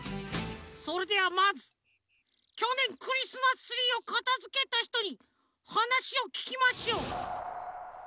それではまずきょねんクリスマスツリーをかたづけたひとにはなしをききましょう。